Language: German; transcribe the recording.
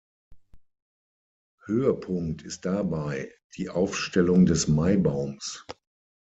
Höhepunkt ist dabei die Aufstellung des Maibaums.